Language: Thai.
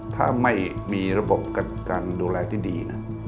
ถ้าไม่มีระบบการดูแลที่ดี